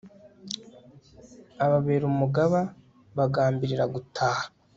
ababera umugaba bagambirira gutaha